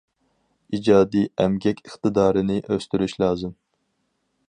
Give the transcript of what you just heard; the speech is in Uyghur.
ئىجادىي ئەمگەك ئىقتىدارىنى ئۆستۈرۈش لازىم.